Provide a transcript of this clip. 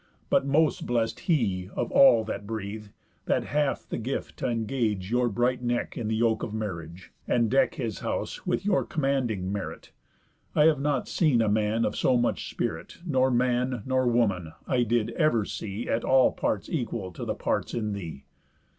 But most blest he, Of all that breathe, that hath the gift t' engage Your bright neck in the yoke of marriage, And deck his house with your commanding merit I have not seen a man of so much spirit, Nor man, nor woman, I did ever see, At all parts equal to the parts in thee.